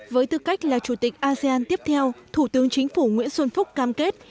với tư cách là chủ tịch asean tiếp theo thủ tướng chính phủ nguyễn xuân phúc cam kết